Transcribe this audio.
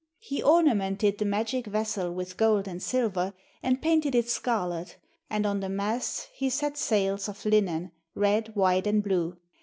He ornamented the magic vessel with gold and silver, and painted it scarlet, and on the masts he set sails of linen, red, white, and blue.